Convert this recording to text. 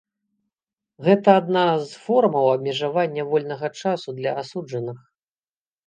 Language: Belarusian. Гэта адна з формаў абмежавання вольнага часу для асуджаных.